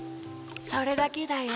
・それだけだよ。